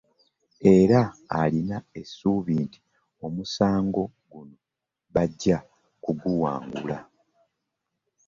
Era alina essuubi nti omusango guno bajja kuguwangula